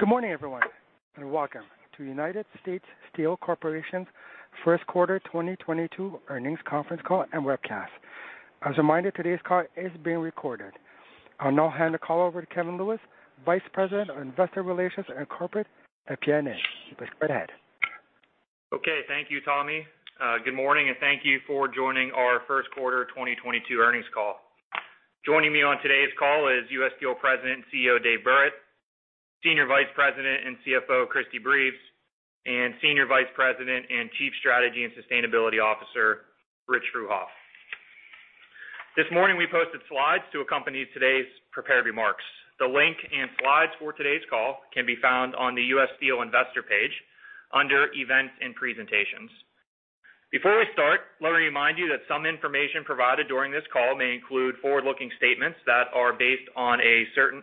Good morning, everyone, and welcome to United States Steel Corporation's first quarter 2022 earnings conference call and webcast. As a reminder, today's call is being recorded. I'll now hand the call over to Kevin Lewis, Vice President of Investor Relations and Corporate FP&A. Please go ahead. Okay. Thank you, Tommy. Good morning, and thank you for joining our first quarter 2022 earnings call. Joining me on today's call is U.S. Steel President and CEO, Dave Burritt, Senior Vice President and CFO, Christie Breves, and Senior Vice President and Chief Strategy and Sustainability Officer, Rich Fruehauf. This morning, we posted slides to accompany today's prepared remarks. The link and slides for today's call can be found on the U.S. Steel investor page under Events and Presentations. Before we start, let me remind you that some information provided during this call may include forward-looking statements that are based on certain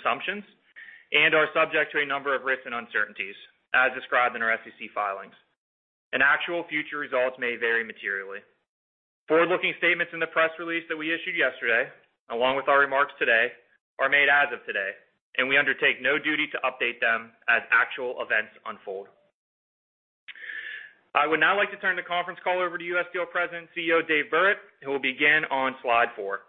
assumptions and are subject to a number of risks and uncertainties as described in our SEC filings, and actual future results may vary materially. Forward-looking statements in the press release that we issued yesterday, along with our remarks today, are made as of today, and we undertake no duty to update them as actual events unfold. I would now like to turn the conference call over to U.S. Steel President and CEO, Dave Burritt, who will begin on slide four.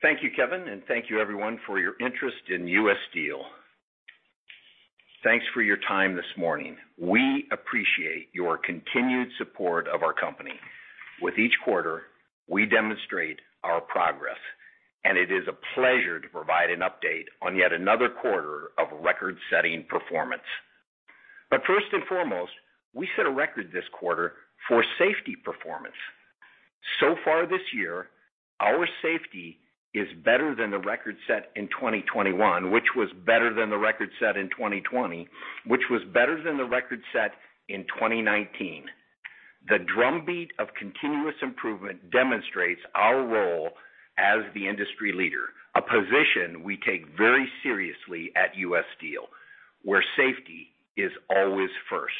Thank you, Kevin, and thank you everyone for your interest in U.S. Steel. Thanks for your time this morning. We appreciate your continued support of our company. With each quarter, we demonstrate our progress, and it is a pleasure to provide an update on yet another quarter of record-setting performance. First and foremost, we set a record this quarter for safety performance. So far this year, our safety is better than the record set in 2021, which was better than the record set in 2020, which was better than the record set in 2019. The drumbeat of continuous improvement demonstrates our role as the industry leader, a position we take very seriously at U.S. Steel, where safety is always first.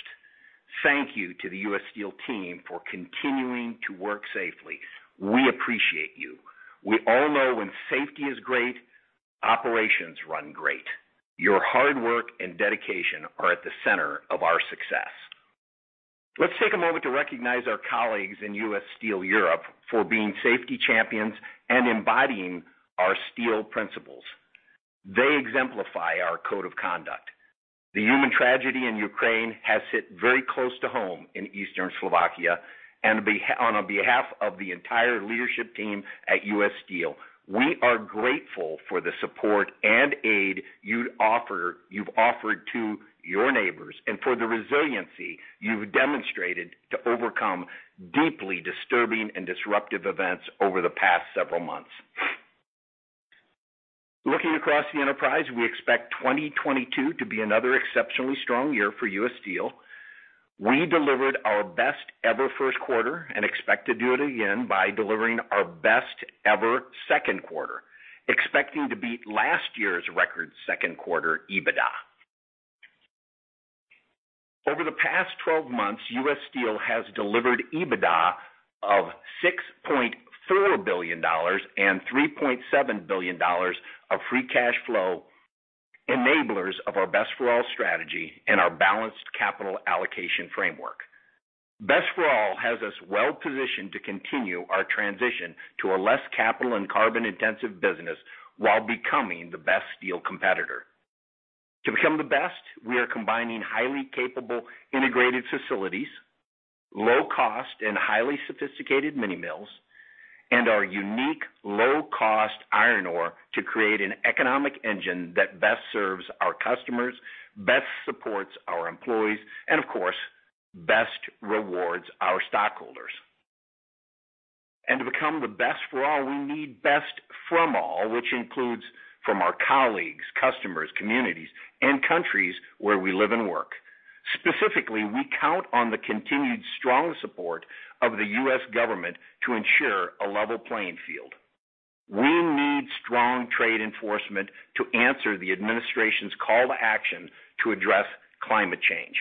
Thank you to the U.S. Steel team for continuing to work safely. We appreciate you. We all know when safety is great, operations run great. Your hard work and dedication are at the center of our success. Let's take a moment to recognize our colleagues in U.S. Steel Europe for being safety champions and embodying our steel principles. They exemplify our code of conduct. The human tragedy in Ukraine has hit very close to home in Eastern Slovakia. On behalf of the entire leadership team at U.S. Steel, we are grateful for the support and aid you've offered to your neighbors and for the resiliency you've demonstrated to overcome deeply disturbing and disruptive events over the past several months. Looking across the enterprise, we expect 2022 to be another exceptionally strong year for U.S. Steel. We delivered our best ever first quarter and expect to do it again by delivering our best ever second quarter, expecting to beat last year's record second quarter EBITDA. Over the past twelve months, U.S. Steel has delivered EBITDA of $6.4 billion and $3.7 billion of free cash flow enablers of our Best for All strategy and our balanced capital allocation framework. Best for All has us well-positioned to continue our transition to a less capital and carbon-intensive business while becoming the best steel competitor. To become the best, we are combining highly capable integrated facilities, low cost and highly sophisticated mini mills, and our unique low-cost iron ore to create an economic engine that best serves our customers, best supports our employees, and of course, best rewards our stockholders. To become the best for all, we need best from all, which includes from our colleagues, customers, communities, and countries where we live and work. Specifically, we count on the continued strong support of the U.S. government to ensure a level playing field. We need strong trade enforcement to answer the administration's call to action to address climate change.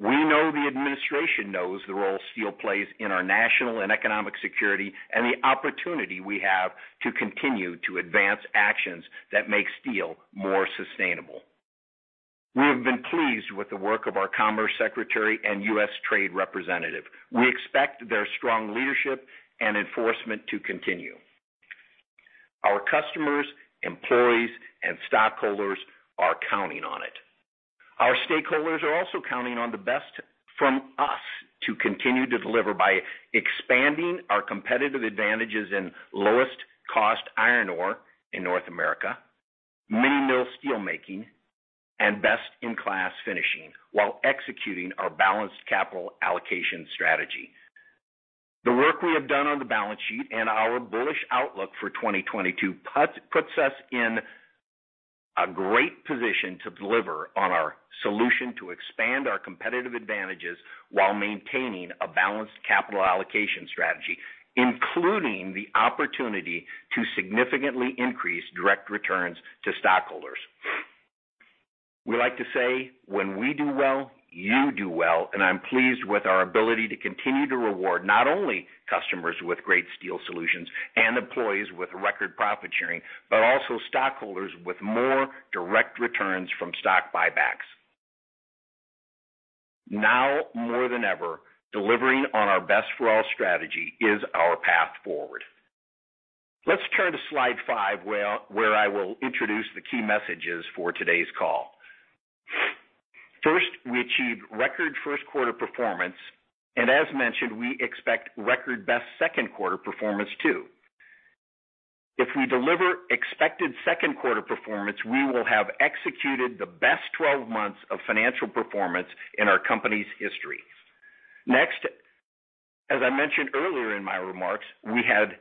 We know the administration knows the role steel plays in our national and economic security and the opportunity we have to continue to advance actions that make steel more sustainable. We have been pleased with the work of our Commerce Secretary and US Trade Representative. We expect their strong leadership and enforcement to continue. Our customers, employees, and stockholders are counting on it. Our stakeholders are also counting on the best from us to continue to deliver by expanding our competitive advantages in lowest cost iron ore in North America, mini mill steel making, and best-in-class finishing while executing our balanced capital allocation strategy. The work we have done on the balance sheet and our bullish outlook for 2022 puts us in a great position to deliver on our solution to expand our competitive advantages while maintaining a balanced capital allocation strategy, including the opportunity to significantly increase direct returns to stockholders. We like to say, when we do well, you do well, and I'm pleased with our ability to continue to reward not only customers with great steel solutions and employees with record profit sharing, but also stockholders with more direct returns from stock buybacks. Now more than ever, delivering on our Best for All strategy is our path forward. Let's turn to slide five, where I will introduce the key messages for today's call. First, we achieved record first quarter performance, and as mentioned, we expect record best second quarter performance too. If we deliver expected second quarter performance, we will have executed the best 12 months of financial performance in our company's history. Next, as I mentioned earlier in my remarks, we had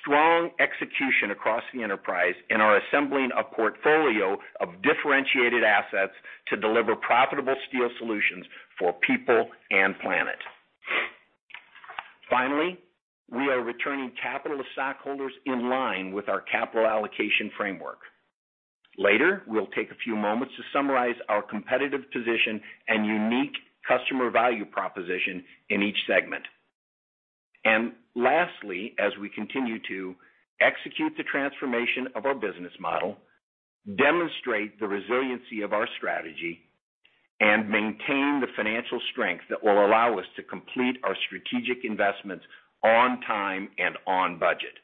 strong execution across the enterprise in our assembling a portfolio of differentiated assets to deliver profitable steel solutions for people and planet. Finally, we are returning capital to stockholders in line with our capital allocation framework. Later, we'll take a few moments to summarize our competitive position and unique customer value proposition in each segment. Lastly, as we continue to execute the transformation of our business model, demonstrate the resiliency of our strategy, and maintain the financial strength that will allow us to complete our strategic investments on time and on budget.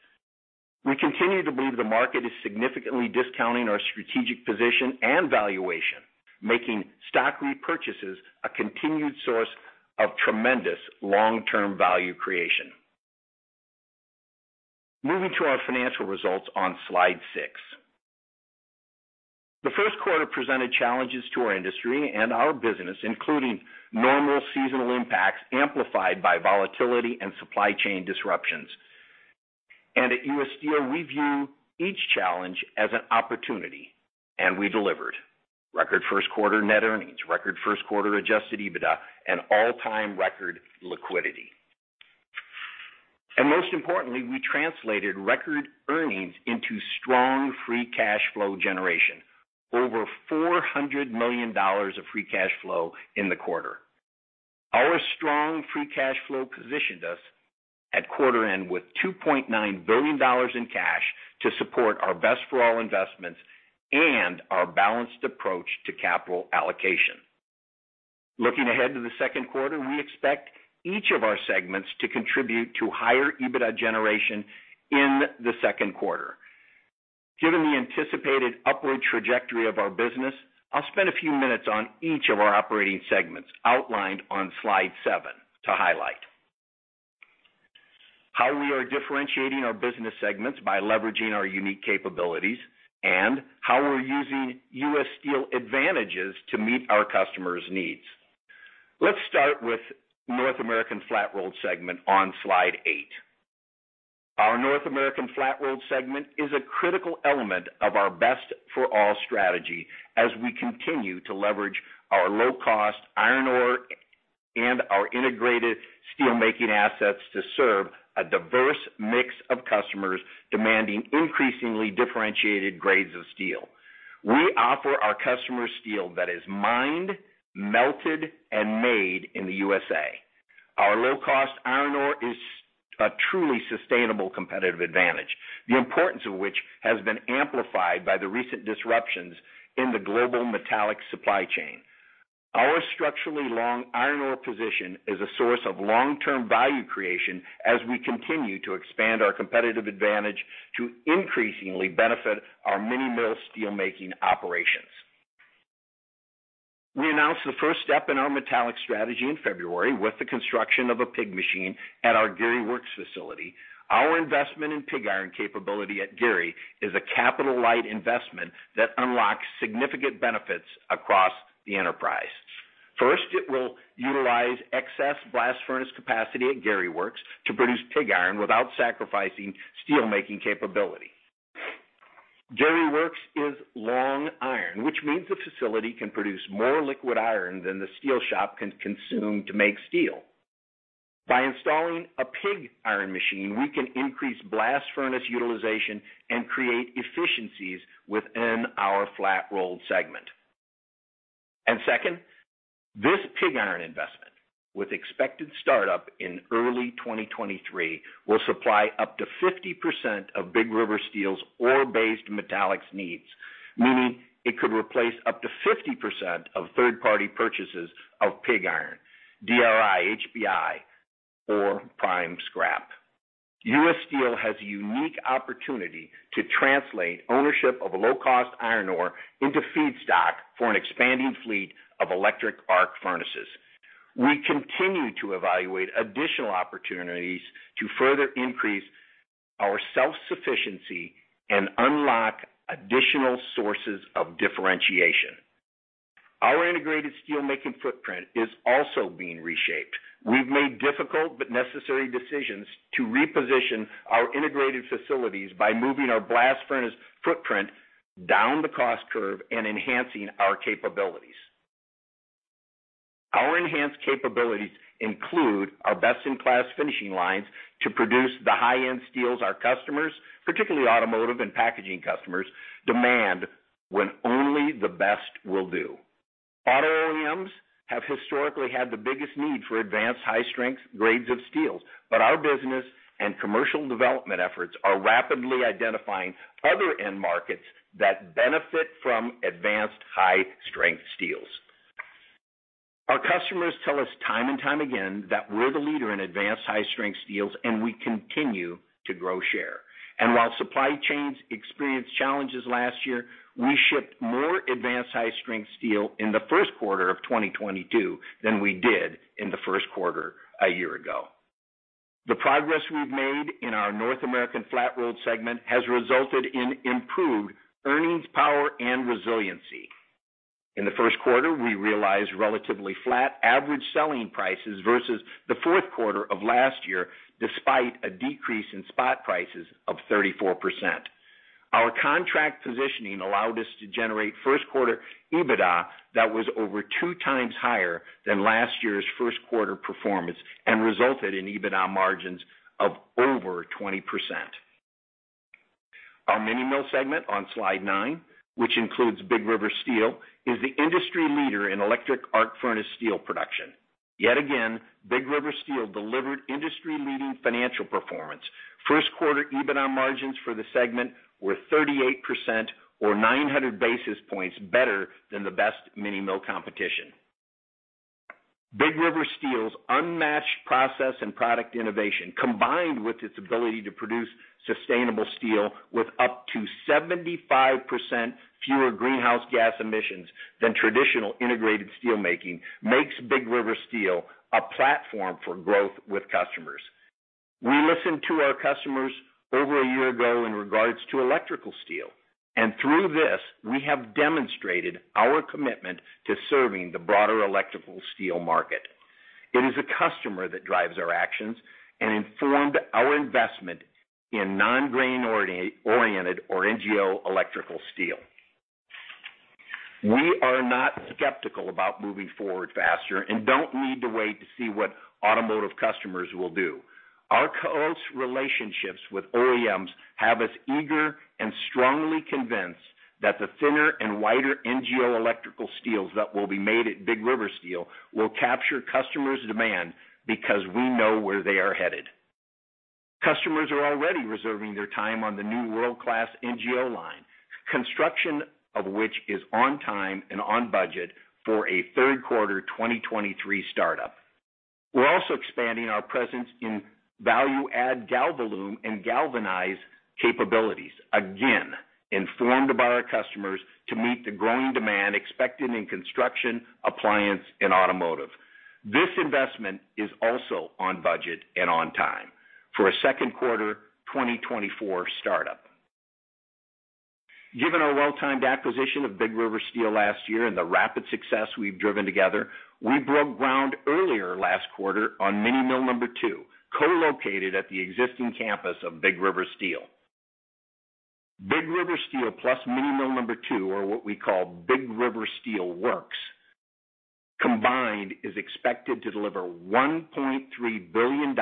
We continue to believe the market is significantly discounting our strategic position and valuation, making stock repurchases a continued source of tremendous long-term value creation. Moving to our financial results on Slide six. The first quarter presented challenges to our industry and our business, including normal seasonal impacts amplified by volatility and supply chain disruptions. At U.S. Steel, we view each challenge as an opportunity, and we delivered. Record first quarter net earnings, record first quarter adjusted EBITDA, and all-time record liquidity. Most importantly, we translated record earnings into strong free cash flow generation, over $400 million of free cash flow in the quarter. Our strong free cash flow positioned us at quarter end with $2.9 billion in cash to support our Best for All investments and our balanced approach to capital allocation. Looking ahead to the second quarter, we expect each of our segments to contribute to higher EBITDA generation in the second quarter. Given the anticipated upward trajectory of our business, I'll spend a few minutes on each of our operating segments outlined on slide seven to highlight, how we are differentiating our business segments by leveraging our unique capabilities, and how we're using U.S. Steel advantages to meet our customers' needs. Let's start with North American Flat-Rolled segment on slide eight. Our North American Flat-Rolled segment is a critical element of our Best for All strategy as we continue to leverage our low-cost iron ore and our integrated steelmaking assets to serve a diverse mix of customers demanding increasingly differentiated grades of steel. We offer our customers steel that is mined, melted, and made in the U.S.A.. Our low-cost iron ore is a truly sustainable competitive advantage, the importance of which has been amplified by the recent disruptions in the global metallic supply chain. Our structurally long iron ore position is a source of long-term value creation as we continue to expand our competitive advantage to increasingly benefit our mini mill steel making operations. We announced the first step in our metallic strategy in February with the construction of a pig iron machine at our Gary Works facility. Our investment in pig iron capability at Gary is a capital-light investment that unlocks significant benefits across the enterprise. First, it will utilize excess blast furnace capacity at Gary Works to produce pig iron without sacrificing steel making capability. Gary Works is long iron, which means the facility can produce more liquid iron than the steel shop can consume to make steel. By installing a pig iron machine, we can increase blast furnace utilization and create efficiencies within our Flat-Rolled segment. Second, this pig iron investment, with expected startup in early 2023, will supply up to 50% of Big River Steel's ore-based metallics needs, meaning it could replace up to 50% of third-party purchases of pig iron, DRI/HBI, or prime scrap. U.S. Steel has a unique opportunity to translate ownership of a low-cost iron ore into feedstock for an expanding fleet of electric arc furnaces. We continue to evaluate additional opportunities to further increase our self-sufficiency and unlock additional sources of differentiation. Our integrated steelmaking footprint is also being reshaped. We've made difficult but necessary decisions to reposition our integrated facilities by moving our blast furnace footprint down the cost curve and enhancing our capabilities. Our enhanced capabilities include our best-in-class finishing lines to produce the high-end steels our customers, particularly automotive and packaging customers, demand when only the best will do. Auto OEMs have historically had the biggest need for advanced high-strength grades of steels, but our business and commercial development efforts are rapidly identifying other end markets that benefit from advanced high-strength steels. Our customers tell us time and time again that we're the leader in advanced high-strength steels, and we continue to grow share. While supply chains experienced challenges last year, we shipped more advanced high-strength steel in the first quarter of 2022 than we did in the first quarter a year ago. The progress we've made in our North American Flat-Rolled segment has resulted in improved earnings power and resiliency. In the first quarter, we realized relatively flat average selling prices versus the fourth quarter of last year, despite a decrease in spot prices of 34%. Our contract positioning allowed us to generate first quarter EBITDA that was over 2x higher than last year's first quarter performance and resulted in EBITDA margins of over 20%. Our mini mill segment on slide nine, which includes Big River Steel, is the industry leader in electric arc furnace steel production. Yet again, Big River Steel delivered industry-leading financial performance. First quarter EBITDA margins for the segment were 38% or 900 basis points better than the best mini mill competition. Big River Steel's unmatched process and product innovation, combined with its ability to produce sustainable steel with up to 75% fewer greenhouse gas emissions than traditional integrated steel making, makes Big River Steel a platform for growth with customers. We listened to our customers over a year ago in regards to electrical steel, and through this, we have demonstrated our commitment to serving the broader electrical steel market. It is the customer that drives our actions and informed our investment in non-grain-oriented or NGO electrical steel. We are not skeptical about moving forward faster and don't need to wait to see what automotive customers will do. Our close relationships with OEMs have us eager and strongly convinced that the thinner and wider NGO electrical steels that will be made at Big River Steel will capture customers' demand because we know where they are headed. Customers are already reserving their time on the new world-class NGO line, construction of which is on time and on budget for a third quarter 2023 startup. We're also expanding our presence in value-add Galvalume and Galvanized capabilities, again, informed by our customers to meet the growing demand expected in construction, appliance, and automotive. This investment is also on budget and on time for a second-quarter 2024 startup. Given our well-timed acquisition of Big River Steel last year and the rapid success we've driven together, we broke ground earlier last quarter on Mini Mill Number Two, co-located at the existing campus of Big River Steel. Big River Steel plus Mini Mill Number Two, or what we call Big River Steel Works, combined is expected to deliver $1.3 billion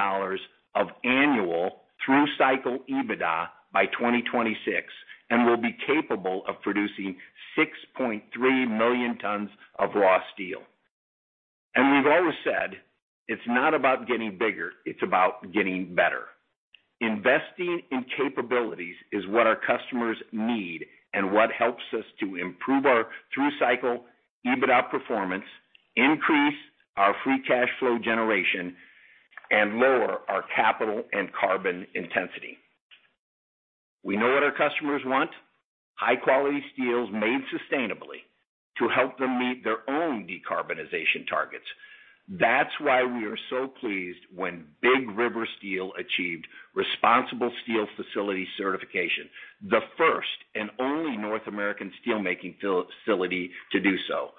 of annual through-cycle EBITDA by 2026 and will be capable of producing 6.3 million tons of raw steel. As we've always said, it's not about getting bigger, it's about getting better. Investing in capabilities is what our customers need and what helps us to improve our through-cycle EBITDA performance, increase our free cash flow generation, and lower our capital and carbon intensity. We know what our customers want. High-quality steels made sustainably to help them meet their own decarbonization targets. That's why we were so pleased when Big River Steel achieved ResponsibleSteel Site Certification, the first and only North American steelmaking facility to do so.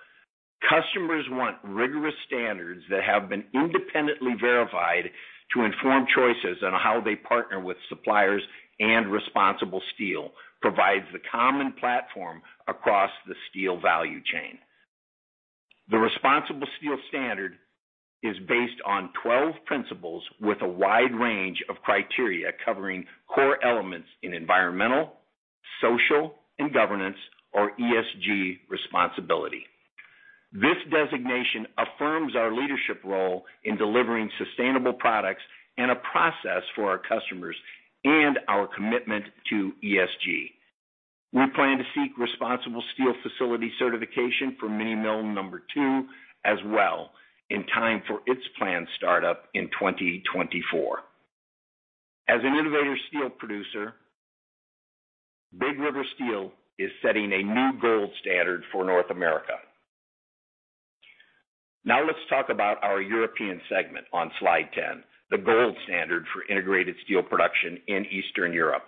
Customers want rigorous standards that have been independently verified to inform choices on how they partner with suppliers, and ResponsibleSteel provides the common platform across the steel value chain. The ResponsibleSteel Standard is based on 12 principles with a wide range of criteria covering core elements in environmental, social, and governance or ESG responsibility. This designation affirms our leadership role in delivering sustainable products and a process for our customers and our commitment to ESG. We plan to seek ResponsibleSteel Facility Certification for Mini Mill Number Two as well in time for its planned startup in 2024. As an innovative steel producer, Big River Steel is setting a new gold standard for North America. Now let's talk about our European segment on slide 10, the gold standard for integrated steel production in Eastern Europe.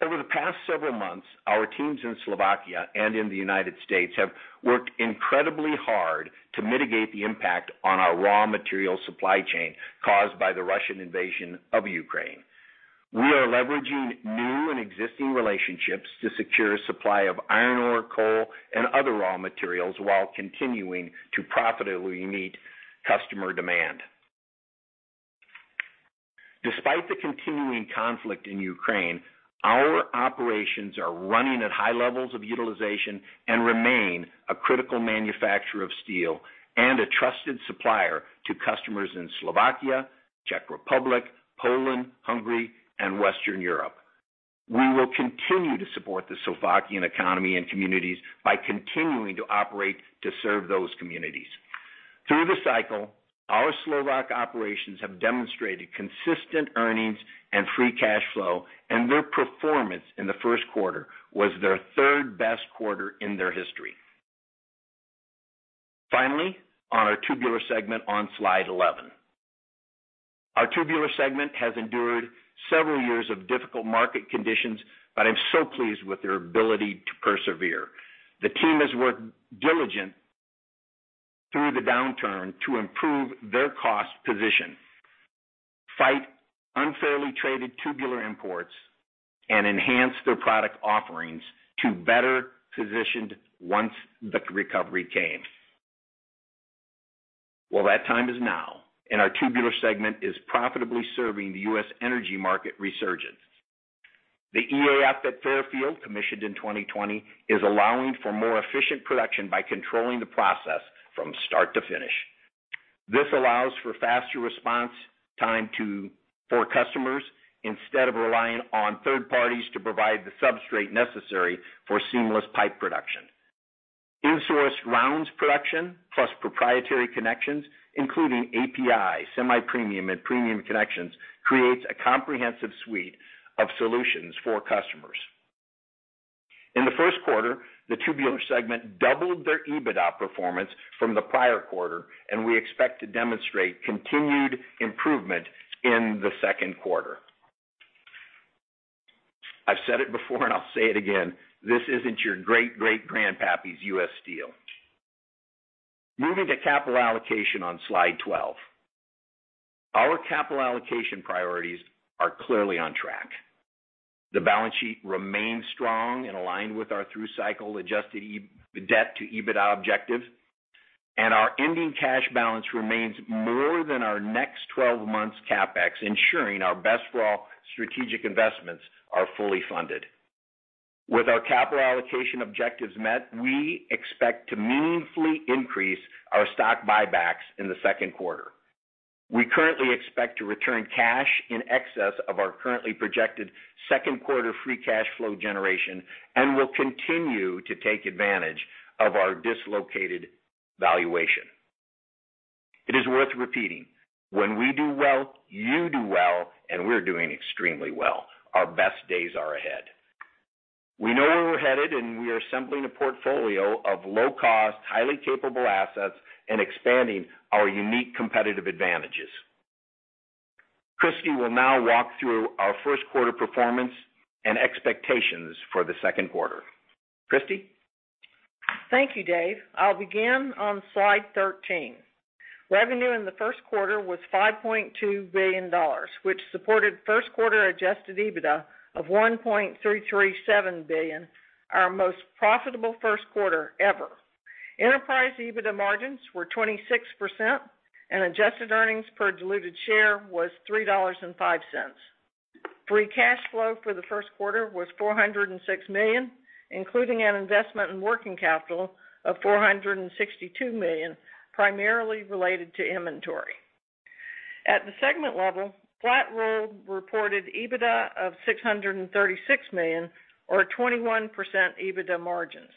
Over the past several months, our teams in Slovakia and in the United States have worked incredibly hard to mitigate the impact on our raw material supply chain caused by the Russian invasion of Ukraine. We are leveraging new and existing relationships to secure supply of iron ore, coal, and other raw materials while continuing to profitably meet customer demand. Despite the continuing conflict in Ukraine, our operations are running at high levels of utilization and remain a critical manufacturer of steel and a trusted supplier to customers in Slovakia, Czech Republic, Poland, Hungary, and Western Europe. We will continue to support the Slovakian economy and communities by continuing to operate to serve those communities. Through the cycle, our Slovak operations have demonstrated consistent earnings and free cash flow, and their performance in the first quarter was their third-best quarter in their history. Finally, on our Tubular segment on slide 11. Our Tubular segment has endured several years of difficult market conditions, but I'm so pleased with their ability to persevere. The team has worked diligently through the downturn to improve their cost position, fight unfairly traded tubular imports, and enhance their product offerings to better position once the recovery came. Well, that time is now, and our Tubular segment is profitably serving the U.S. energy market resurgence. The EAF at Fairfield, commissioned in 2020, is allowing for more efficient production by controlling the process from start to finish. This allows for faster response time for customers instead of relying on third parties to provide the substrate necessary for seamless pipe production. In-source rounds production plus proprietary connections, including API, semi-premium and premium connections, creates a comprehensive suite of solutions for customers. In the first quarter, the Tubular segment doubled their EBITDA performance from the prior quarter, and we expect to demonstrate continued improvement in the second quarter. I've said it before and I'll say it again, this isn't your great-great grandpappy's U.S. Steel. Moving to capital allocation on slide 12. Our capital allocation priorities are clearly on track. The balance sheet remains strong and aligned with our through-cycle adjusted EBITDA debt-to-EBITDA objective, and our ending cash balance remains more than our next 12 months CapEx, ensuring our Best for All strategic investments are fully funded. With our capital allocation objectives met, we expect to meaningfully increase our stock buybacks in the second quarter. We currently expect to return cash in excess of our currently projected second quarter free cash flow generation and will continue to take advantage of our dislocated valuation. It is worth repeating, when we do well, you do well, and we're doing extremely well. Our best days are ahead. We know where we're headed, and we are assembling a portfolio of low-cost, highly capable assets and expanding our unique competitive advantages. Christie will now walk through our first quarter performance and expectations for the second quarter. Christie? Thank you, Dave. I'll begin on slide 13. Revenue in the first quarter was $5.2 billion, which supported first quarter adjusted EBITDA of $1.337 billion, our most profitable first quarter ever. Enterprise EBITDA margins were 26%, and adjusted earnings per diluted share was $3.05. Free cash flow for the first quarter was $406 million, including an investment in working capital of $462 million, primarily related to inventory. At the segment level, Flat-rolled reported EBITDA of $636 million or 21% EBITDA margins.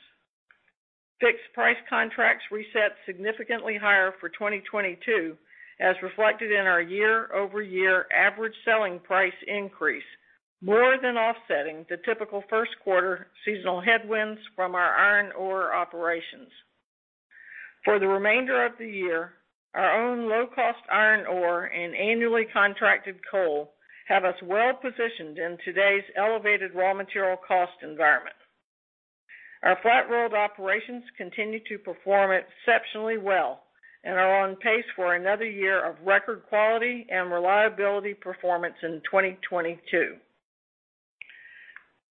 Fixed-price contracts reset significantly higher for 2022, as reflected in our year-over-year average selling price increase, more than offsetting the typical first quarter seasonal headwinds from our iron ore operations. For the remainder of the year, our own low-cost iron ore and annually contracted coal have us well positioned in today's elevated raw material cost environment. Our Flat-Rolled operations continue to perform exceptionally well and are on pace for another year of record quality and reliability performance in 2022.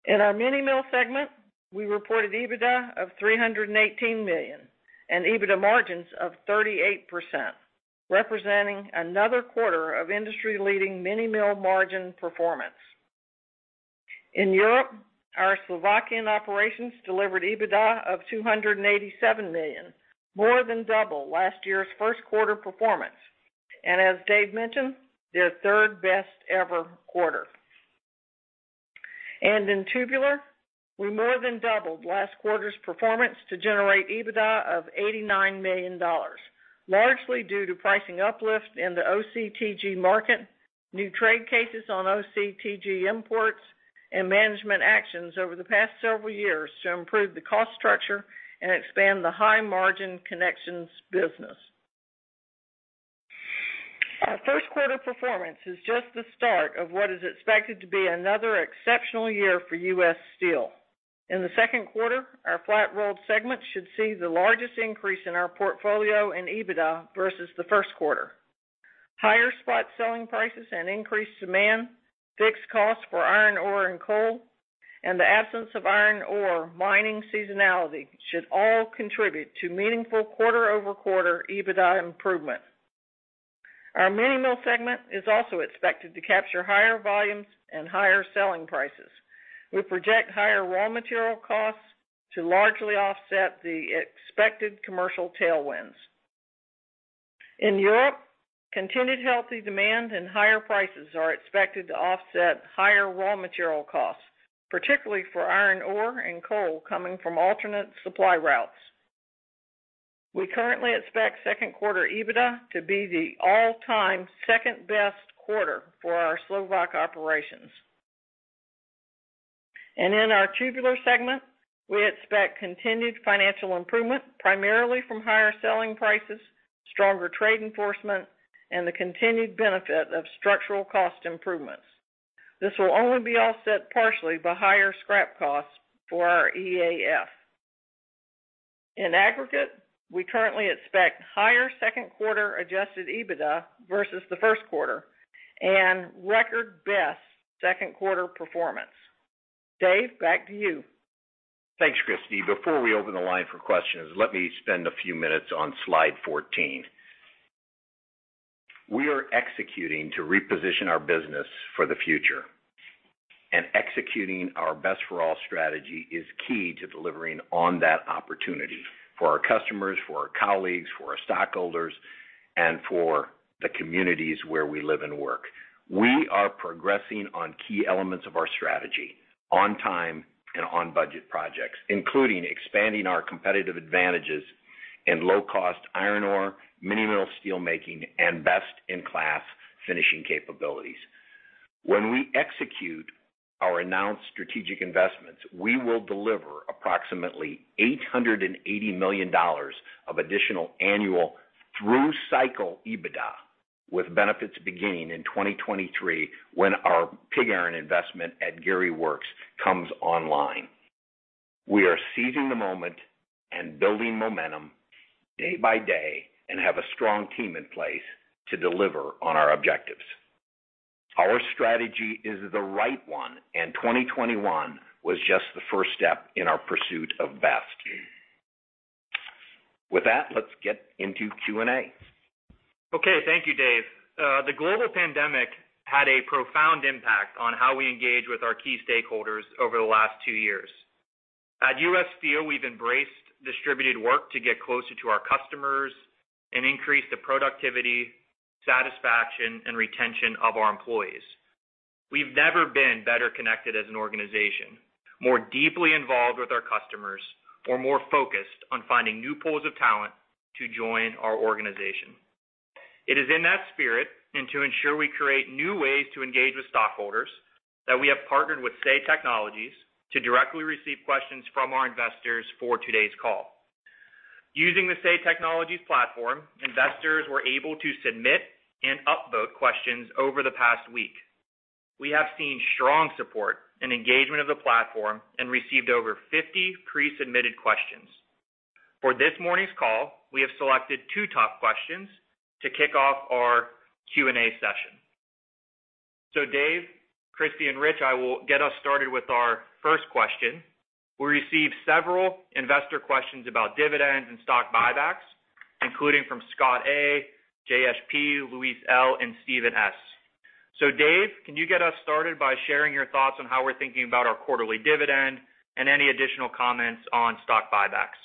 In our Mini Mill segment, we reported EBITDA of $318 million and EBITDA margins of 38%, representing another quarter of industry-leading mini mill margin performance. In Europe, our Slovakian operations delivered EBITDA of $287 million, more than double last year's first quarter performance, and as Dave mentioned, their third-best ever quarter. In Tubular, we more than doubled last quarter's performance to generate EBITDA of $89 million, largely due to pricing uplift in the OCTG market, new trade cases on OCTG imports, and management actions over the past several years to improve the cost structure and expand the high-margin connections business. Our first quarter performance is just the start of what is expected to be another exceptional year for U.S. Steel. In the second quarter, our Flat-Rolled segment should see the largest increase in our portfolio in EBITDA versus the first quarter. Higher spot selling prices and increased demand, fixed costs for iron ore and coal, and the absence of iron ore mining seasonality should all contribute to meaningful quarter-over-quarter EBITDA improvement. Our Mini Mill segment is also expected to capture higher volumes and higher selling prices. We project higher raw material costs to largely offset the expected commercial tailwinds. In Europe, continued healthy demand and higher prices are expected to offset higher raw material costs, particularly for iron ore and coal coming from alternate supply routes. We currently expect second quarter EBITDA to be the all-time second-best quarter for our Slovak operations. In our Tubular segment, we expect continued financial improvement, primarily from higher selling prices, stronger trade enforcement, and the continued benefit of structural cost improvements. This will only be offset partially by higher scrap costs for our EAF. In aggregate, we currently expect higher second quarter adjusted EBITDA versus the first quarter and record best second quarter performance. Dave, back to you. Thanks, Christie. Before we open the line for questions, let me spend a few minutes on slide 14. We are executing to reposition our business for the future. Executing our Best for All strategy is key to delivering on that opportunity for our customers, for our colleagues, for our stockholders, and for the communities where we live and work. We are progressing on key elements of our strategy, on time and on budget projects, including expanding our competitive advantages in low-cost iron ore, mini-mill steel making, and best-in-class finishing capabilities. When we execute our announced strategic investments, we will deliver approximately $880 million of additional annual through cycle EBITDA, with benefits beginning in 2023 when our pig iron investment at Gary Works comes online. We are seizing the moment and building momentum day by day and have a strong team in place to deliver on our objectives. Our strategy is the right one, and 2021 was just the first step in our pursuit of best. With that, let's get into Q&A. Okay. Thank you, Dave. The global pandemic had a profound impact on how we engage with our key stakeholders over the last two years. At U.S. Steel, we've embraced distributed work to get closer to our customers and increase the productivity, satisfaction, and retention of our employees. We've never been better connected as an organization, more deeply involved with our customers, or more focused on finding new pools of talent to join our organization. It is in that spirit, and to ensure we create new ways to engage with stockholders, that we have partnered with Say Technologies to directly receive questions from our investors for today's call. Using the Say Technologies platform, investors were able to submit and upvote questions over the past week. We have seen strong support and engagement of the platform and received over 50 pre-submitted questions. For this morning's call, we have selected two top questions to kick off our Q&A session. Dave, Christie, and Rich, I will get us started with our first question. We received several investor questions about dividends and stock buybacks, including from Scott A, JSP, Louis L., and Steven S. Dave, can you get us started by sharing your thoughts on how we're thinking about our quarterly dividend and any additional comments on stock buybacks?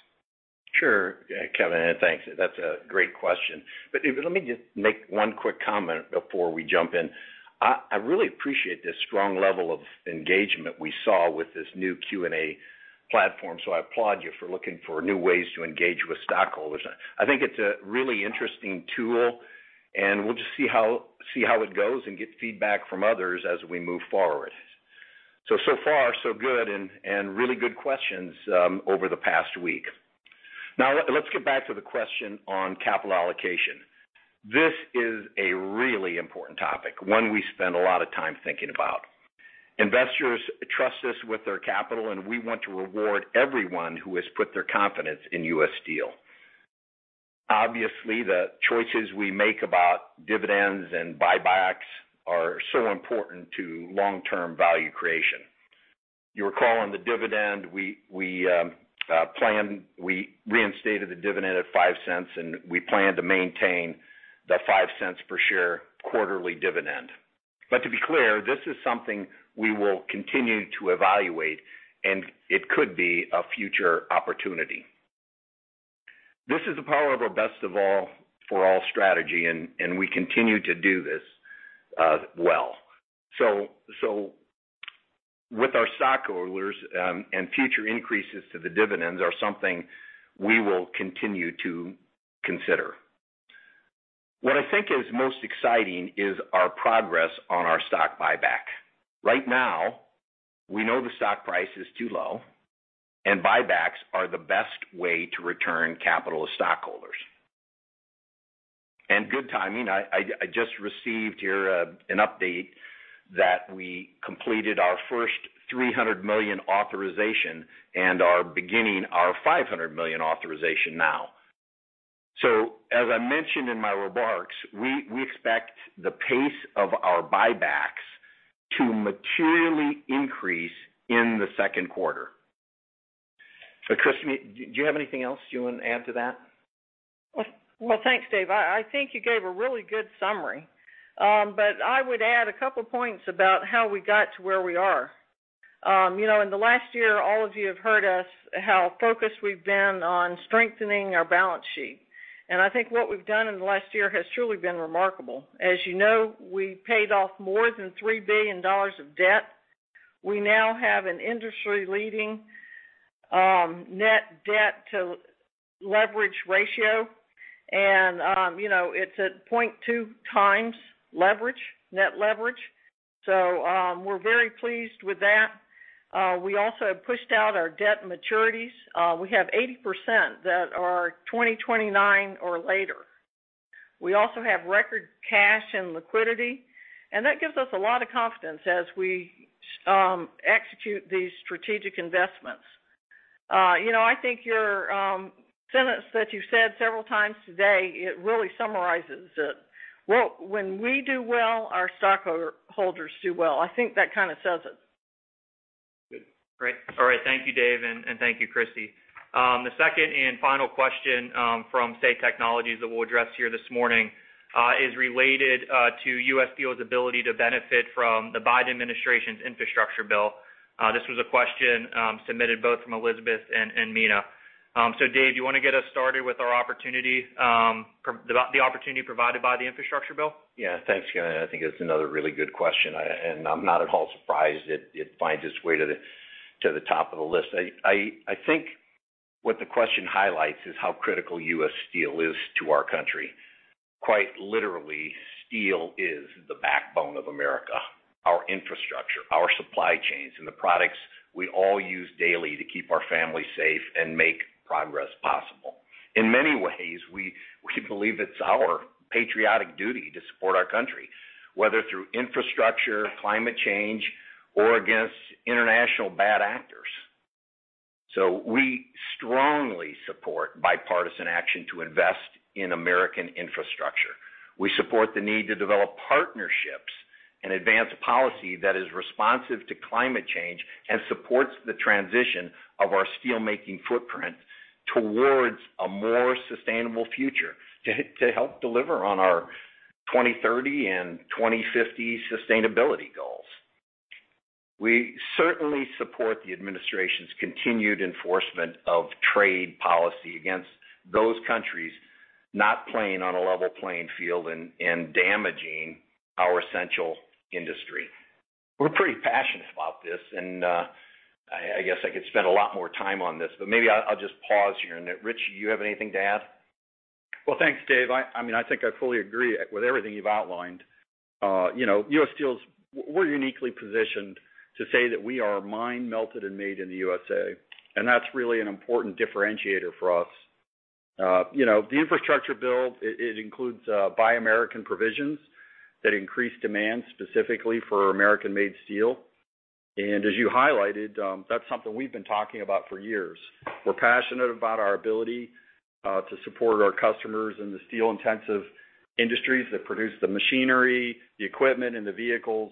Sure, Kevin, and thanks. That's a great question. Let me just make one quick comment before we jump in. I really appreciate the strong level of engagement we saw with this new Q&A platform, so I applaud you for looking for new ways to engage with stockholders. I think it's a really interesting tool, and we'll just see how it goes and get feedback from others as we move forward. So far, so good and really good questions over the past week. Now, let's get back to the question on capital allocation. This is a really important topic, one we spend a lot of time thinking about. Investors trust us with their capital, and we want to reward everyone who has put their confidence in U.S. Steel. Obviously, the choices we make about dividends and buybacks are so important to long-term value creation. You'll recall on the dividend, we reinstated the dividend at $0.05, and we plan to maintain the $0.05 per share quarterly dividend. To be clear, this is something we will continue to evaluate, and it could be a future opportunity. This is the power of our Best for All strategy, and we continue to do this well. With our stockholders, and future increases to the dividends are something we will continue to consider. What I think is most exciting is our progress on our stock buyback. Right now, we know the stock price is too low and buybacks are the best way to return capital to stockholders. Good timing. I just received here an update that we completed our first $300 million authorization and are beginning our $500 million authorization now. As I mentioned in my remarks, we expect the pace of our buybacks to materially increase in the second quarter. Christie, do you have anything else you want to add to that? Well, thanks, Dave. I think you gave a really good summary. I would add a couple points about how we got to where we are. You know, in the last year, all of you have heard us how focused we've been on strengthening our balance sheet. I think what we've done in the last year has truly been remarkable. As you know, we paid off more than $3 billion of debt. We now have an industry-leading, net debt to leverage ratio. You know, it's at 0.2x leverage, net leverage. We're very pleased with that. We also have pushed out our debt maturities. We have 80% that are 2029 or later. We also have record cash and liquidity, and that gives us a lot of confidence as we, execute these strategic investments. You know, I think your sentence that you said several times today, it really summarizes it. Well, when we do well, our stockholders do well. I think that kind of says it. Good. Great. All right. Thank you, Dave, and thank you, Christie. The second and final question from Say Technologies that we'll address here this morning is related to U.S. Steel's ability to benefit from the Biden administration's infrastructure bill. This was a question submitted both from Elizabeth and Mina. So Dave, do you want to get us started with our opportunity, the opportunity provided by the infrastructure bill? Yeah. Thanks. I think it's another really good question. I'm not at all surprised it finds its way to the top of the list. I think what the question highlights is how critical U.S. Steel is to our country. Quite literally, steel is the backbone of America, our infrastructure, our supply chains, and the products we all use daily to keep our family safe and make progress possible. In many ways, we believe it's our patriotic duty to support our country, whether through infrastructure, climate change, or against international bad actors. We strongly support bipartisan action to invest in American infrastructure. We support the need to develop partnerships and advance policy that is responsive to climate change and supports the transition of our steelmaking footprint towards a more sustainable future to help deliver on our 2030 and 2050 sustainability goals. We certainly support the administration's continued enforcement of trade policy against those countries not playing on a level playing field and damaging our essential industry. We're pretty passionate about this, I guess I could spend a lot more time on this, but maybe I'll just pause here. Rich, you have anything to add? Well, thanks, Dave. I mean, I think I fully agree with everything you've outlined. You know, U.S. Steel. We're uniquely positioned to say that we are mine-melted and made in the USA, and that's really an important differentiator for us. You know, the infrastructure bill, it includes Buy American provisions that increase demand specifically for American-made steel. As you highlighted, that's something we've been talking about for years. We're passionate about our ability to support our customers in the steel-intensive industries that produce the machinery, the equipment, and the vehicles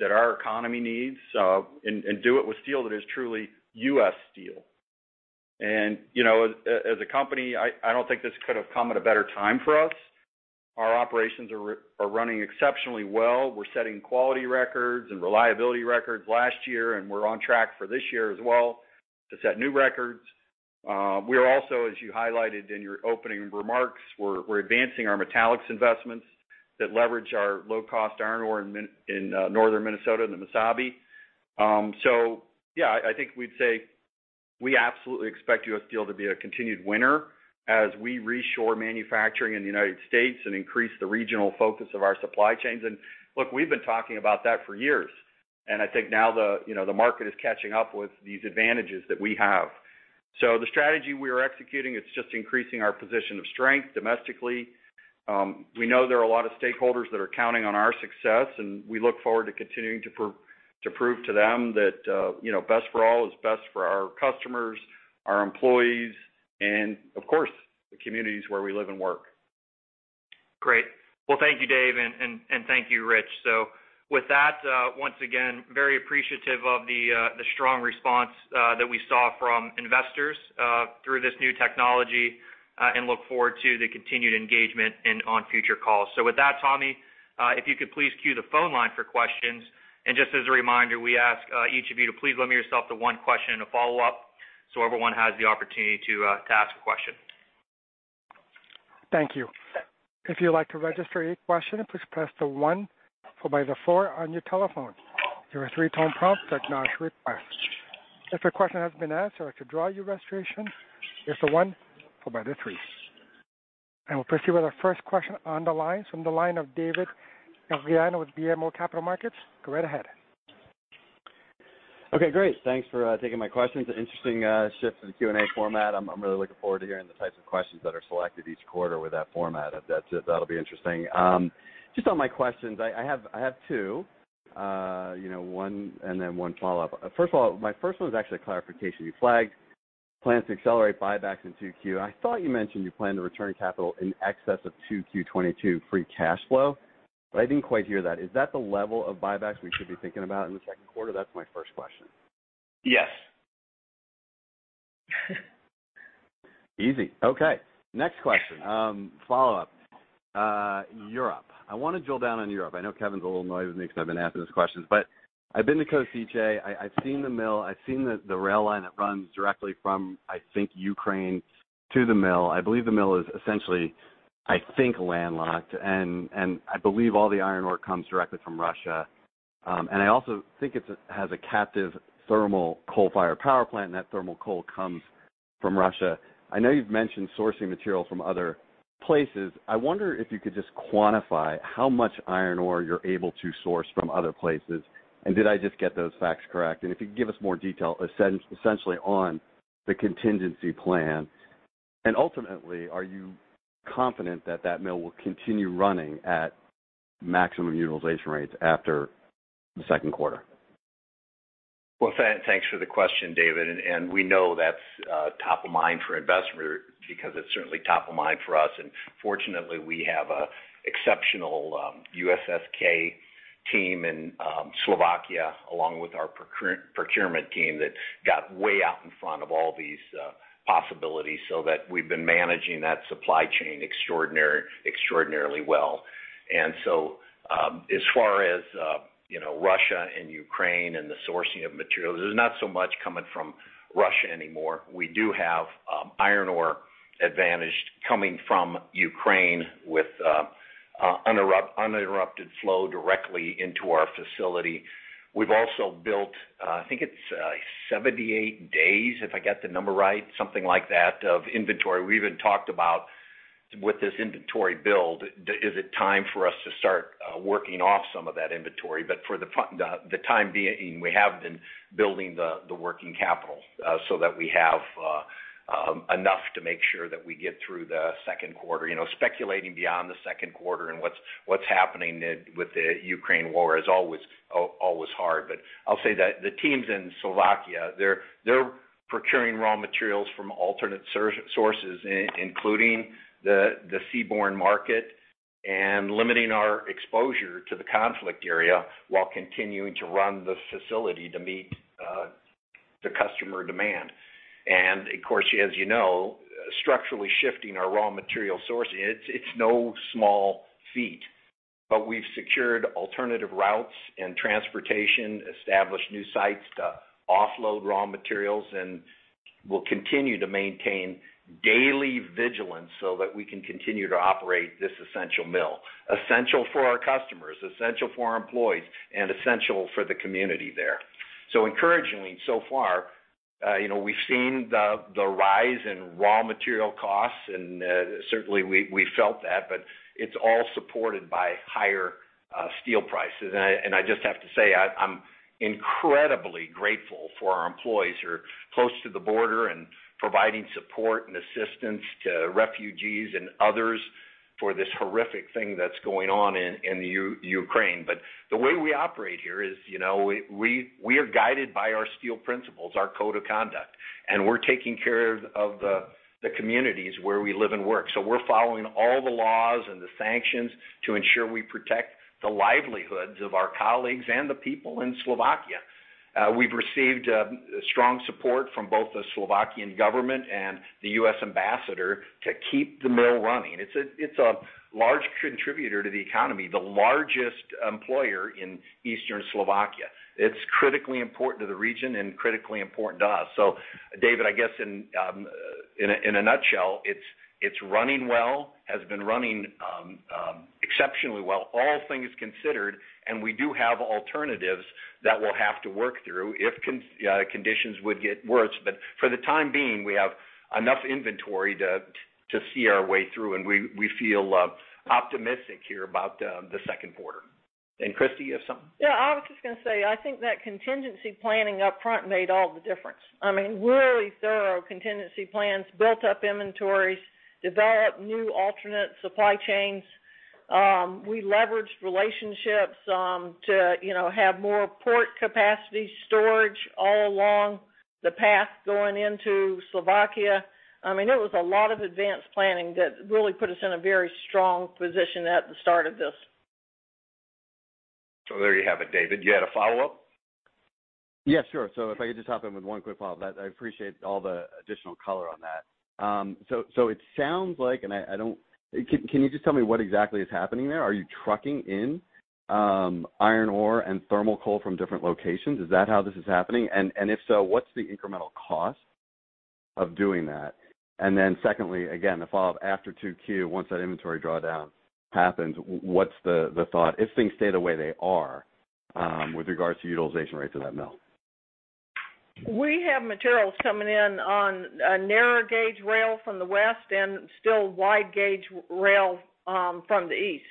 that our economy needs, and do it with steel that is truly U.S. Steel. You know, as a company, I don't think this could have come at a better time for us. Our operations are running exceptionally well. We're setting quality records and reliability records last year, and we're on track for this year as well to set new records. We are also, as you highlighted in your opening remarks, we're advancing our metallics investments that leverage our low-cost iron ore in northern Minnesota in the Mesabi. Yeah, I think we'd say we absolutely expect U.S. Steel to be a continued winner as we reshore manufacturing in the United States and increase the regional focus of our supply chains. Look, we've been talking about that for years, and I think now the, you know, the market is catching up with these advantages that we have. The strategy we are executing, it's just increasing our position of strength domestically. We know there are a lot of stakeholders that are counting on our success, and we look forward to continuing to prove to them that, you know, Best for All is best for our customers, our employees, and of course, the communities where we live and work. Great. Well, thank you, Dave, and thank you, Rich. With that, once again, very appreciative of the strong response that we saw from investors through this new technology, and look forward to the continued engagement on future calls. With that, Tommy, if you could please queue the phone line for questions. Just as a reminder, we ask each of you to please limit yourself to one question and a follow-up so everyone has the opportunity to ask a question. Thank you. If you'd like to register your question, please press one followed by four on your telephone. Your three-tone prompt to acknowledge request. If a question has been asked or to withdraw your registration, press one followed by three. I will proceed with our first question on the line from the line of David Gagliano with BMO Capital Markets. Go right ahead. Okay, great. Thanks for taking my questions. Interesting shift in the Q&A format. I'm really looking forward to hearing the types of questions that are selected each quarter with that format. That'll be interesting. Just on my questions, I have two, you know, one and then one follow-up. First of all, my first one is actually a clarification. You flagged plans to accelerate buybacks in 2Q. I thought you mentioned you plan to return capital in excess of 2Q 2022 free cash flow, but I didn't quite hear that. Is that the level of buybacks we should be thinking about in the second quarter? That's my first question. Yes. Easy. Okay, next question. Follow-up. Europe. I wanna drill down on Europe. I know Kevin's a little annoyed with me because I've been asking these questions. I've been to Košice. I've seen the mill. I've seen the rail line that runs directly from, I think, Ukraine to the mill. I believe the mill is essentially, I think, landlocked, and I believe all the iron ore comes directly from Russia. I also think it has a captive thermal coal-fired power plant, and that thermal coal comes from Russia. I know you've mentioned sourcing material from other places. I wonder if you could just quantify how much iron ore you're able to source from other places, and did I just get those facts correct? If you could give us more detail essentially on the contingency plan. Ultimately, are you confident that that mill will continue running at maximum utilization rates after the second quarter? Well, thanks for the question, David, and we know that's top of mind for investors because it's certainly top of mind for us. Fortunately, we have an exceptional USSK team in Slovakia, along with our procurement team that got way out in front of all these possibilities, so that we've been managing that supply chain extraordinarily well. As far as you know, Russia and Ukraine and the sourcing of materials, there's not so much coming from Russia anymore. We do have iron ore advantaged coming from Ukraine with uninterrupted flow directly into our facility. We've also built, I think it's 78 days, if I got the number right, something like that, of inventory. We even talked about with this inventory build, is it time for us to start working off some of that inventory. For the time being, we have been building the working capital so that we have enough to make sure that we get through the second quarter. You know, speculating beyond the second quarter and what's happening with the Ukraine war is always hard. I'll say that the teams in Slovakia, they're procuring raw materials from alternate sources, including the seaborne market and limiting our exposure to the conflict area while continuing to run the facility to meet the customer demand. Of course, as you know, structurally shifting our raw material sourcing, it's no small feat. We've secured alternative routes and transportation, established new sites to offload raw materials, and we'll continue to maintain daily vigilance so that we can continue to operate this essential mill, essential for our customers, essential for our employees, and essential for the community there. Encouragingly, so far, you know, we've seen the rise in raw material costs, and certainly we felt that, but it's all supported by higher steel prices. I just have to say, I'm incredibly grateful for our employees who are close to the border and providing support and assistance to refugees and others for this horrific thing that's going on in Ukraine. The way we operate here is, you know, we are guided by our steel principles, our code of conduct, and we're taking care of the communities where we live and work. We're following all the laws and the sanctions to ensure we protect the livelihoods of our colleagues and the people in Slovakia. We've received strong support from both the Slovak government and the U.S. ambassador to keep the mill running. It's a large contributor to the economy, the largest employer in Eastern Slovakia. It's critically important to the region and critically important to us. David, I guess in a nutshell, it's running well, has been running exceptionally well, all things considered, and we do have alternatives that we'll have to work through if conditions would get worse. For the time being, we have enough inventory to see our way through, and we feel optimistic here about the second quarter. Christie, you have something? Yeah, I was just gonna say, I think that contingency planning up front made all the difference. I mean, really thorough contingency plans, built up inventories, developed new alternate supply chains. We leveraged relationships, to, you know, have more port capacity storage all along the path going into Slovakia. I mean, it was a lot of advanced planning that really put us in a very strong position at the start of this. There you have it. David, you had a follow-up? Yeah, sure. If I could just hop in with one quick follow-up. I appreciate all the additional color on that. It sounds like, and I don't. Can you just tell me what exactly is happening there? Are you trucking in iron ore and thermal coal from different locations? Is that how this is happening? And if so, what's the incremental cost of doing that? And then secondly, again, a follow-up, after 2Q, once that inventory drawdown happens, what's the thought, if things stay the way they are, with regards to utilization rates of that mill? We have materials coming in on a narrow gauge rail from the west and still wide gauge rail from the east.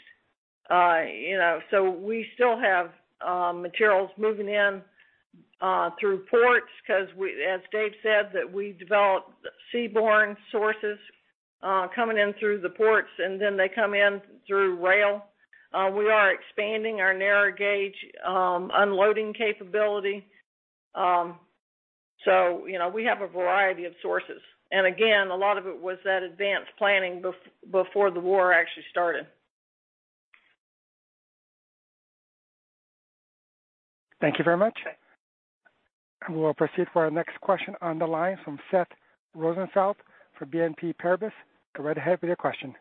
You know, so we still have materials moving in through ports because we, as Dave said, that we developed seaborne sources coming in through the ports, and then they come in through rail. We are expanding our narrow gauge unloading capability. You know, we have a variety of sources. Again, a lot of it was that advanced planning before the war actually started. Thank you very much. We'll proceed for our next question on the line from Seth Rosenfeld from BNP Paribas. Go right ahead with your question.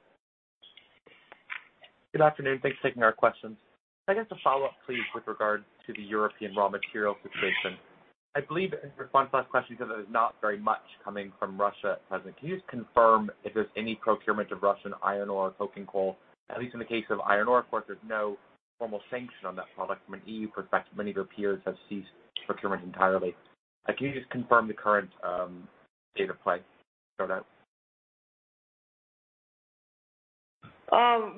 Good afternoon, thanks for taking our questions. Can I get a follow-up, please, with regard to the European raw material situation? I believe in response to last question, because there's not very much coming from Russia at present. Can you just confirm if there's any procurement of Russian iron ore or coking coal? At least in the case of iron ore, of course, there's no formal sanction on that product from an EU perspective. Many of your peers have ceased procurement entirely. Can you just confirm the current state of play for that?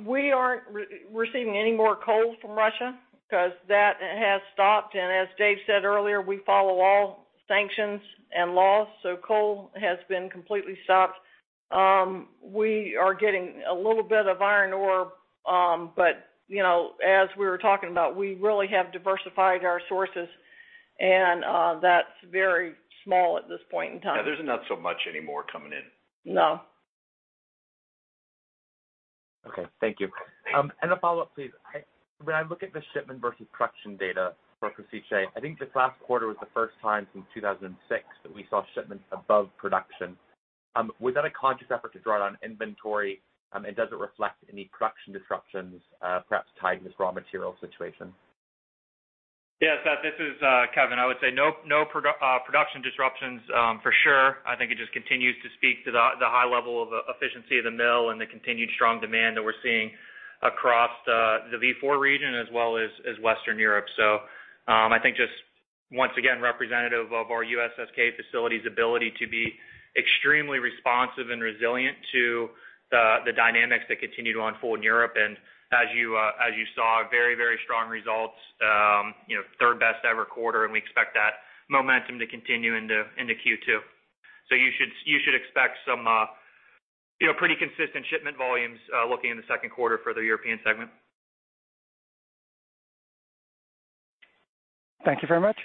We aren't receiving any more coal from Russia because that has stopped. As Dave said earlier, we follow all sanctions and laws, so coal has been completely stopped. We are getting a little bit of iron ore, but, you know, as we were talking about, we really have diversified our sources, and that's very small at this point in time. Yeah, there's not so much anymore coming in. No. Okay. Thank you. A follow-up, please. When I look at the shipment versus production data for USSK, I think this last quarter was the first time since 2006 that we saw shipments above production. Was that a conscious effort to draw down inventory? Does it reflect any production disruptions, perhaps tied in this raw material situation? Yeah, Seth, this is Kevin. I would say no production disruptions for sure. I think it just continues to speak to the high level of efficiency of the mill and the continued strong demand that we're seeing across the V4 region as well as Western Europe. I think just once again, representative of our USSK facility's ability to be extremely responsive and resilient to the dynamics that continue to unfold in Europe. As you saw, very strong results, you know, third best ever quarter, and we expect that momentum to continue into Q2. You should expect some you know, pretty consistent shipment volumes looking in the second quarter for the European segment. Thank you very much.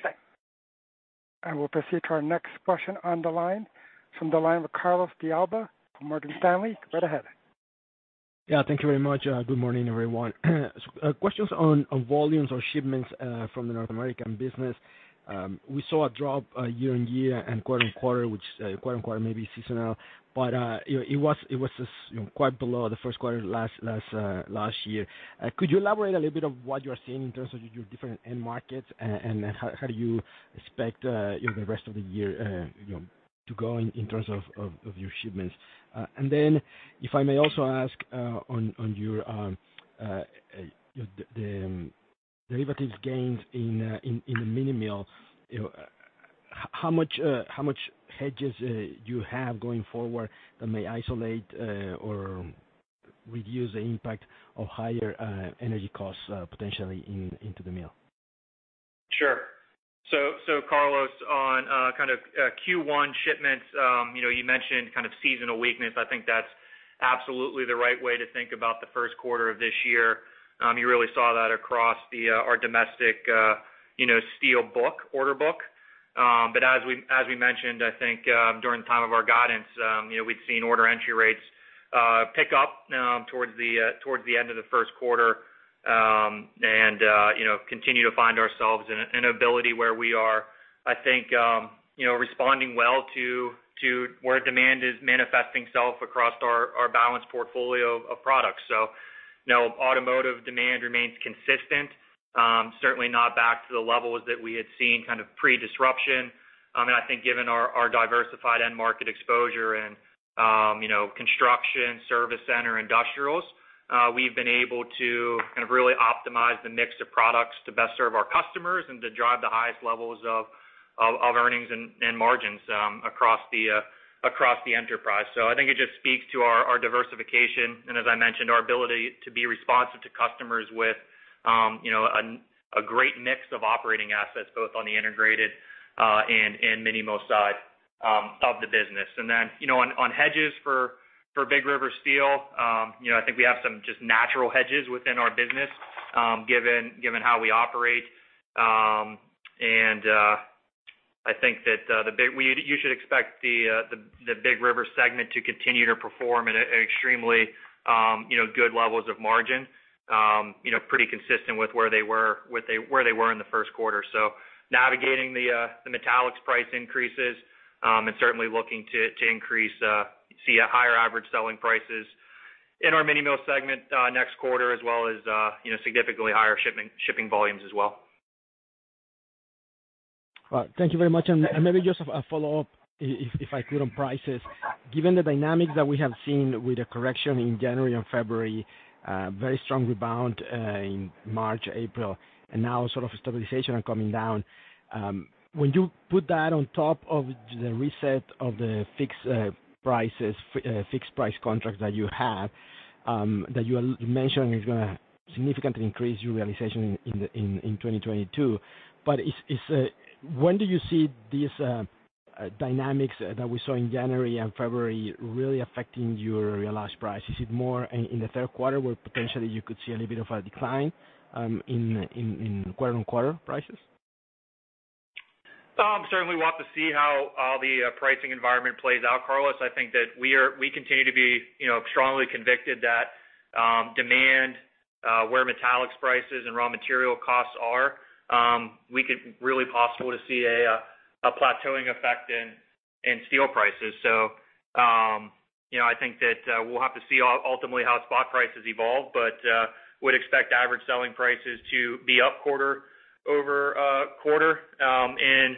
I will proceed to our next question on the line, from the line with Carlos de Alba from Morgan Stanley. Go right ahead. Yeah, thank you very much. Good morning, everyone. A question is on volumes or shipments from the North American business. We saw a drop year-over-year and quarter-over-quarter, which quarter-over-quarter may be seasonal, but you know, it was quite below the first quarter last year. Could you elaborate a little bit on what you are seeing in terms of your different end markets and how do you expect the rest of the year to go in terms of your shipments? If I may also ask, on the derivatives gains in the mini mill, you know, how much hedges you have going forward that may isolate or reduce the impact of higher energy costs, potentially into the mill? Sure. Carlos, on kind of Q1 shipments, you know, you mentioned kind of seasonal weakness. I think that's absolutely the right way to think about the first quarter of this year. You really saw that across our domestic steel order book. As we mentioned, I think during the time of our guidance, you know, we'd seen order entry rates pick up towards the end of the first quarter. You know, we continue to find ourselves in a position where we are, I think, you know, responding well to where demand is manifesting itself across our balanced portfolio of products. No automotive demand remains consistent. Certainly not back to the levels that we had seen kind of pre-disruption. I think given our diversified end market exposure and, you know, construction service center industrials, we've been able to kind of really optimize the mix of products to best serve our customers and to drive the highest levels of earnings and margins across the enterprise. I think it just speaks to our diversification and as I mentioned, our ability to be responsive to customers with, you know, a great mix of operating assets both on the integrated and mini mill side of the business. You know, on hedges for Big River Steel, you know, I think we have some just natural hedges within our business, given how we operate. I think that you should expect the Big River segment to continue to perform at extremely good levels of margin. You know, pretty consistent with where they were in the first quarter. Navigating the metallics price increases, and certainly looking to see a higher average selling prices in our mini mill segment next quarter, as well as you know, significantly higher shipping volumes as well. Well, thank you very much. Maybe just a follow-up if I could on prices. Given the dynamics that we have seen with the correction in January and February, very strong rebound in March, April, and now sort of stabilization and coming down. When you put that on top of the reset of the fixed prices, fixed price contracts that you have, you mentioned is gonna significantly increase your realization in 2022. It's When do you see these dynamics that we saw in January and February really affecting your realized price? Is it more in the third quarter where potentially you could see a little bit of a decline in quarter-on-quarter prices? Certainly we'll have to see how the pricing environment plays out, Carlos. I think that we continue to be, you know, strongly convinced that demand, where metallics prices and raw material costs are, we could really possibly see a plateauing effect in steel prices. I think that we'll have to see ultimately how spot prices evolve, but would expect average selling prices to be up quarter-over-quarter in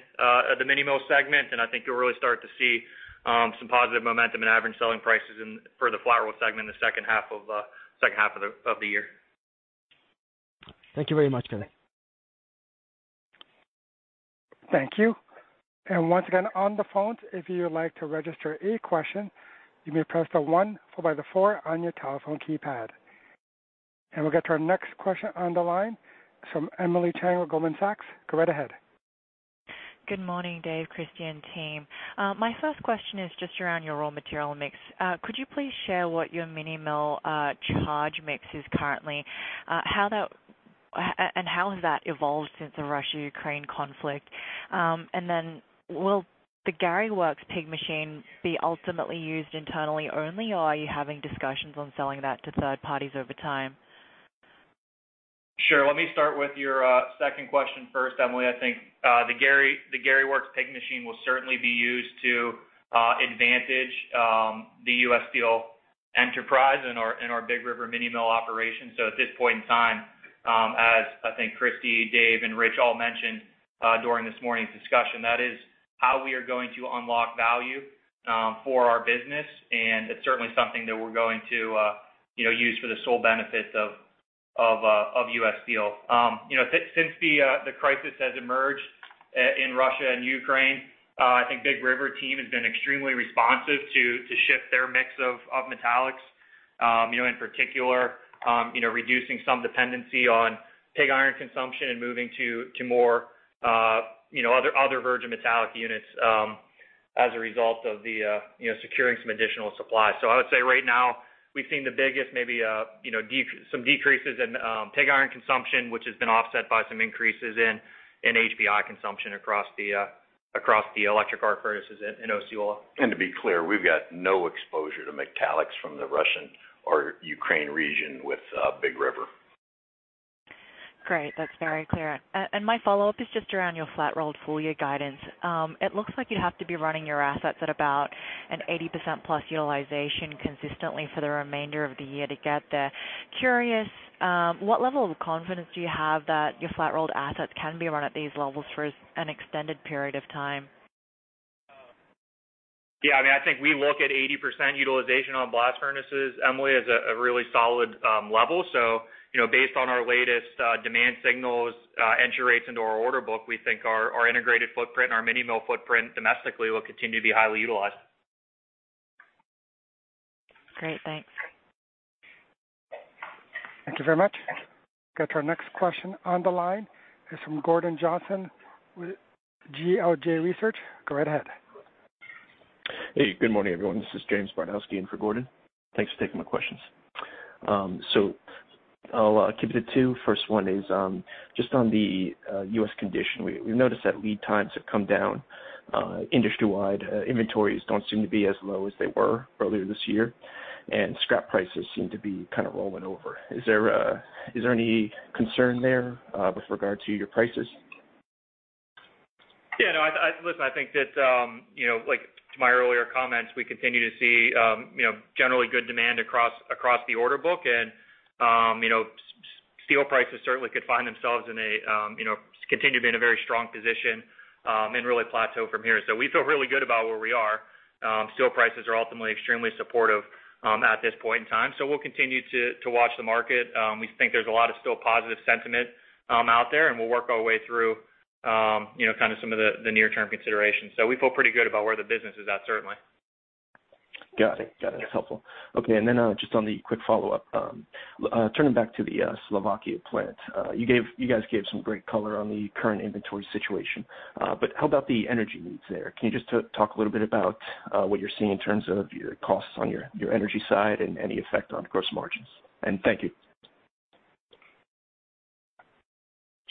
the mini mill segment. I think you'll really start to see some positive momentum in average selling prices for the flat-rolled segment in the second half of the year. Thank you very much, Kevin. Thank you. Once again, on the phones, if you would like to register a question, you may press the one followed by the four on your telephone keypad. We'll get to our next question on the line from Emily Chieng with Goldman Sachs. Go right ahead. Good morning, Dave, Christy, and team. My first question is just around your raw material mix. Could you please share what your mini mill charge mix is currently? How has that evolved since the Russia-Ukraine conflict? Will the Gary Works pig machine be ultimately used internally only, or are you having discussions on selling that to third parties over time? Sure. Let me start with your second question first, Emily. I think the Gary Works pig machine will certainly be used to advantage the U.S. Steel enterprise in our Big River mini mill operation. At this point in time, as I think Christie, Dave, and Rich all mentioned during this morning's discussion, that is how we are going to unlock value for our business. It's certainly something that we're going to you know use for the sole benefit of U.S. Steel. You know, since the crisis has emerged in Russia and Ukraine, I think Big River team has been extremely responsive to shift their mix of metallics. You know, in particular, you know, reducing some dependency on pig iron consumption and moving to more, you know, other virgin metallic units, as a result of the, you know, securing some additional supply. I would say right now, we've seen the biggest, maybe, you know, some decreases in pig iron consumption, which has been offset by some increases in HBI consumption across the electric arc furnaces in Osceola. To be clear, we've got no exposure to metallics from the Russian or Ukrainian region with Big River. Great. That's very clear. My follow-up is just around your Flat-Rolled full-year guidance. It looks like you have to be running your assets at about 80%+ utilization consistently for the remainder of the year to get there. Curious, what level of confidence do you have that your Flat-Rolled assets can be run at these levels for an extended period of time? I mean, I think we look at 80% utilization on blast furnaces, Emily, as a really solid level. You know, based on our latest demand signals, entry rates into our order book, we think our integrated footprint, our mini mill footprint domestically will continue to be highly utilized. Great. Thanks. Thank you very much. Go to our next question on the line is from Gordon Johnson with GLJ Research. Go right ahead. Hey, good morning, everyone. This is James Barnowski in for Gordon. Thanks for taking my questions. I'll keep it at two. First one is just on the U.S. conditions. We noticed that lead times have come down industry-wide. Inventories don't seem to be as low as they were earlier this year, and scrap prices seem to be kind of rolling over. Is there any concern there with regard to your prices? Yeah, no. Listen, I think that, you know, like to my earlier comments, we continue to see, you know, generally good demand across the order book. Steel prices certainly could continue to be in a very strong position, and really plateau from here. We feel really good about where we are. Steel prices are ultimately extremely supportive at this point in time. We'll continue to watch the market. We think there's a lot of still positive sentiment out there, and we'll work our way through, you know, kind of some of the near-term considerations. We feel pretty good about where the business is at, certainly. Got it. Got it. That's helpful. Okay. Just on the quick follow-up. Turning back to the Slovakia plant. You guys gave some great color on the current inventory situation. How about the energy needs there? Can you just talk a little bit about what you're seeing in terms of your costs on your energy side and any effect on gross margins? Thank you.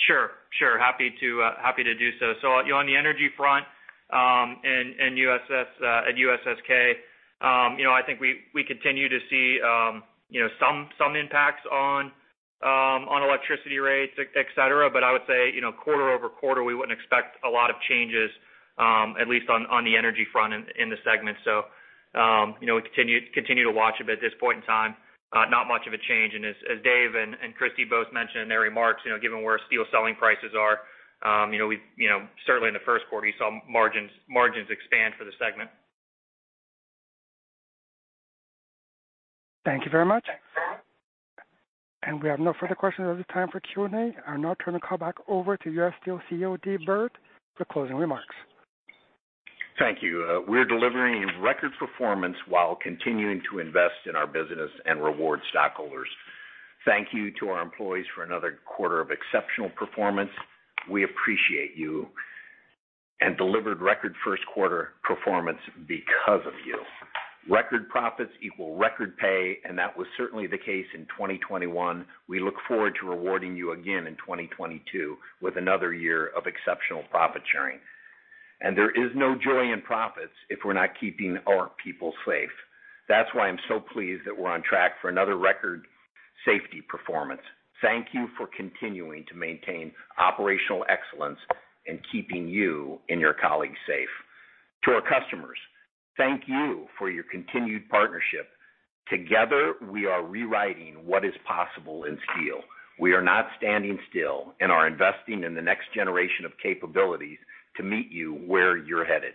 Sure. Happy to do so. On the energy front, in USS, at USSK, you know, I think we continue to see, you know, some impacts on electricity rates, etc.. I would say, you know, quarter-over-quarter, we wouldn't expect a lot of changes, at least on the energy front in the segment. You know, we continue to watch them at this point in time. Not much of a change. As Dave and Christie both mentioned in their remarks, you know, given where steel selling prices are, you know, certainly in the first quarter, you saw margins expand for the segment. Thank you very much. We have no further questions at the time for Q&A. I now turn the call back over to U.S. Steel CEO, Dave Burritt, for closing remarks. Thank you. We're delivering record performance while continuing to invest in our business and reward stockholders. Thank you to our employees for another quarter of exceptional performance. We appreciate you and delivered record first quarter performance because of you. Record profits equal record pay, and that was certainly the case in 2021. We look forward to rewarding you again in 2022 with another year of exceptional profit sharing. There is no joy in profits if we're not keeping our people safe. That's why I'm so pleased that we're on track for another record safety performance. Thank you for continuing to maintain operational excellence and keeping you and your colleagues safe. To our customers, thank you for your continued partnership. Together, we are rewriting what is possible in steel. We are not standing still and are investing in the next generation of capabilities to meet you where you're headed.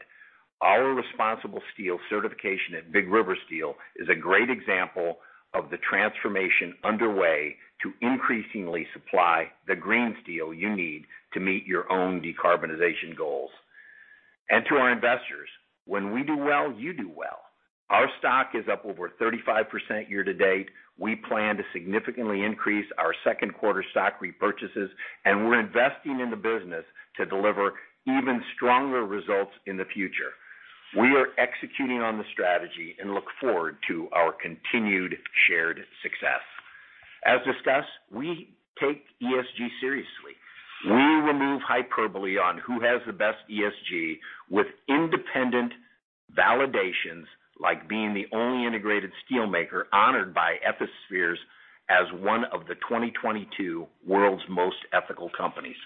Our responsible steel certification at Big River Steel is a great example of the transformation underway to increasingly supply the green steel you need to meet your own decarbonization goals. To our investors, when we do well, you do well. Our stock is up over 35% year to date. We plan to significantly increase our second quarter stock repurchases, and we're investing in the business to deliver even stronger results in the future. We are executing on the strategy and look forward to our continued shared success. As discussed, we take ESG seriously. We remove hyperbole on who has the best ESG with independent validations, like being the only integrated steelmaker honored by Ethisphere as one of the 2022 World's Most Ethical Companies.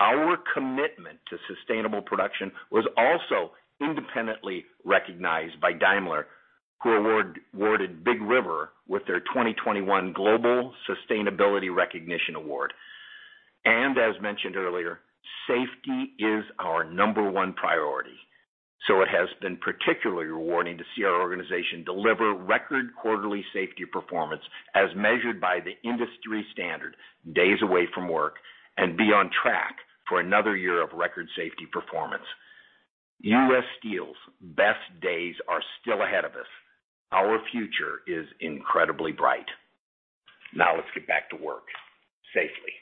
Our commitment to sustainable production was also independently recognized by Daimler, who awarded Big River with their 2021 Global Sustainability Recognition Award. As mentioned earlier, safety is our number one priority. It has been particularly rewarding to see our organization deliver record quarterly safety performance as measured by the industry standard, days away from work, and be on track for another year of record safety performance. U.S. Steel's best days are still ahead of us. Our future is incredibly bright. Now let's get back to work safely.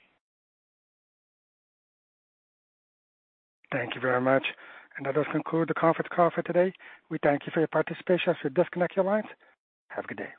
Thank you very much. That does conclude the conference call for today. We thank you for your participation. You disconnect your lines. Have a good day.